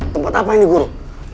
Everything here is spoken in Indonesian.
tempat apa ini guru